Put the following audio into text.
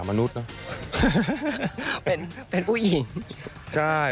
ตามภาษามนุษย์